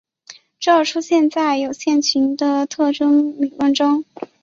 这出现在有限群的特征理论中。